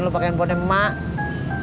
ayo gue anterin ke rumah sakit